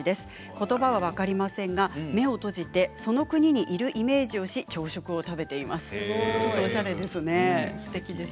ことばは分かりませんが目を閉じてその国にいるイメージをして朝食を食べています。